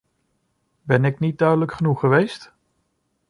Ben ik niet duidelijk genoeg geweest?